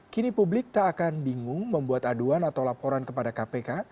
kini publik tak akan bingung membuat aduan atau laporan kepada kpk